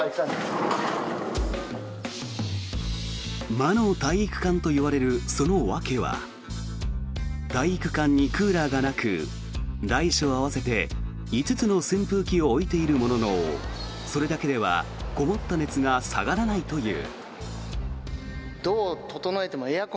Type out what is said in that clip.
魔の体育館といわれるその訳は体育館にクーラーがなく大小合わせて５つの扇風機を置いているもののそれだけではこもった熱が下がらないという。